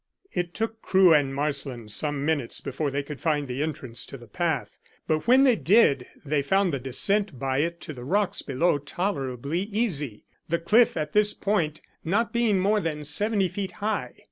It took Crewe and Marsland some minutes before they could find the entrance to the path, but when they did they found the descent by it to the rocks below tolerably easy, the cliff at this point not being more than seventy feet high.